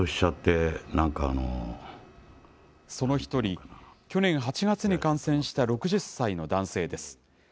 その一人、去年８月に感染した６０歳の男性です。